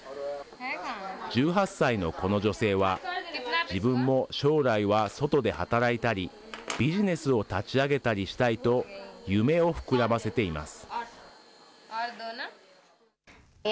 １８歳のこの女性は、自分も将来は外で働いたり、ビジネスを立ち上げたりしたいと、夢を膨らませています。